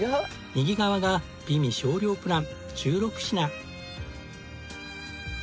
右側が美味少量プラン１６品。